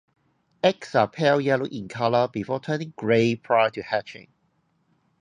Eggs are pale yellow in colour, before turning grey prior to hatching.